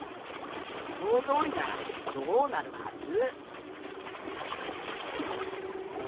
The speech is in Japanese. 予想どおりならどうなるはず？